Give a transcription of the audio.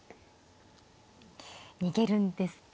逃げるんですか。